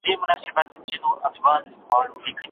هر څوک کولی شي بدلون راولي.